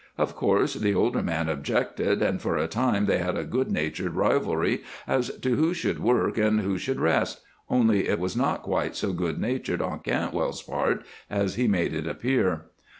Of course the older man objected, and for a time they had a good natured rivalry as to who should work and who should rest only it was not quite so good natured on Cantwell's part as he made it appear.